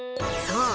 そう！